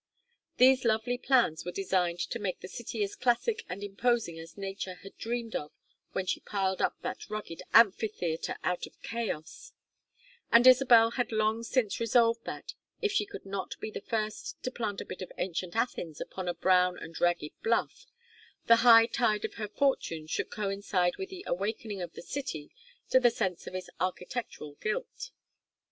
These lovely plans were designed to make the city as classic and imposing as Nature had dreamed of when she piled up that rugged amphitheatre out of chaos; and Isabel had long since resolved that, if she could not be the first to plant a bit of ancient Athens upon a brown and ragged bluff, the high tide of her fortunes should coincide with the awakening of the city to the sense of its architectural guilt.